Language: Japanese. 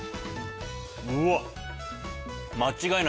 うわっ。